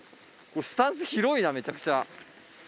スタンス広いなめちゃくちゃ。